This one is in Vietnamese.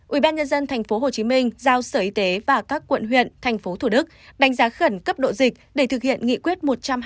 ubnd tp hcm giao sở y tế và các quận huyện thành phố thủ đức đánh giá khẩn cấp độ dịch để thực hiện nghị quyết một trăm hai mươi